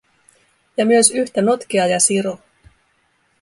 Ja myös yhtä notkea ja siro.